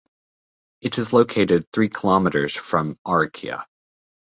It is located three kilometers from Arica.